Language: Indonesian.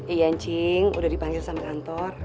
iya ancing udah dipanggil sama kantor